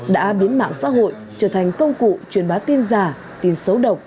đã biến mạng xã hội trở thành công cụ truyền bá tin giả tin xấu độc